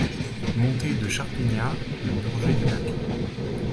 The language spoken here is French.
Montée de Charpignat, Le Bourget-du-Lac